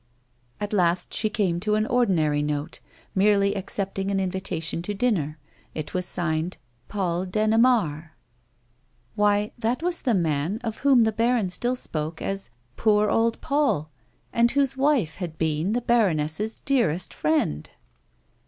At last she came to an ordinary note, merely accepting an invitation to dinner ; it was signed " Paul d'Ennemare." Why, that was the man of whom the baron still spoke as " Poor old Paul," and whose wife had been the baroness's dearest friend